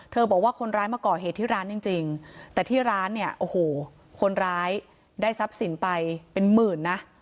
บอกว่าคนร้ายมาก่อเหตุที่ร้านจริงแต่ที่ร้านเนี่ยโอ้โหคนร้ายได้ทรัพย์สินไปเป็นหมื่นนะ